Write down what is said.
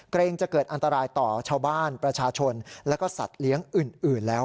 เกรงจะเกิดอันตรายต่อชาวบ้านประชาชนแล้วก็สัตว์เลี้ยงอื่นแล้ว